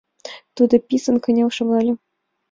Тудо писын кынел шогале.